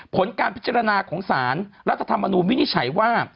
ผลการพิจารณาของสารรัฐธรรมนูลวินิจฉัยว่า